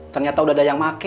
ternyata udah ada yang pakai